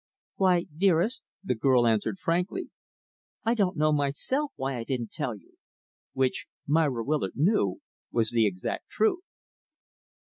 "Why dearest," the girl answered frankly, "I don't know, myself, why I didn't tell you" which, Myra Willard knew, was the exact truth.